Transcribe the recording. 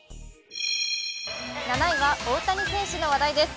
７位は大谷選手の話題です。